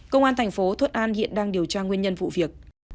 công an thành phố thuận an hiện đang điều tra nguyên nhân vụ việc